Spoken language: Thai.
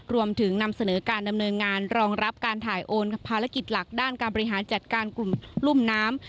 รวมถึงนำเสนอการดำเนินงานรองรับการถ่ายโอนภารกิจหลักด้านการบริหารจัดการกลุ่มรุ่มน้ำ